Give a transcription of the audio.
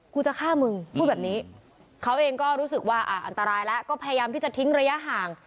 กูจะฆ่ามึงพูดแบบนี้เขาเองก็รู้สึกว่าอันตรายแล้วก็พยายามที่จะทิ้งระยะห่าง